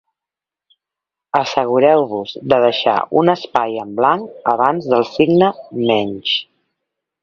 Assegureu-vos de deixar un espai en blanc abans del signe menys.